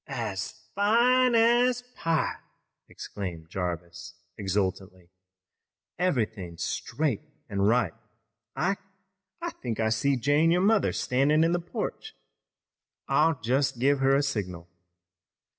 "As fine as pie!" exclaimed Jarvis exultantly. "Everythin's straight an' right. Ike, I think I see Jane, your mother, standin' in the porch. I'll just give her a signal."